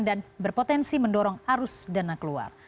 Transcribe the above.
dan berpotensi mendorong arus dana keluar